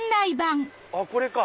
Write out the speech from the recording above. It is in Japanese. あっこれか。